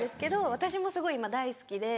私もすごい今大好きで。